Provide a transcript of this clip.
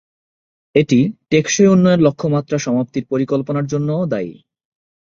এটি টেকসই উন্নয়ন লক্ষ্যমাত্রা সমাপ্তির পরিকল্পনার জন্যও দায়ী।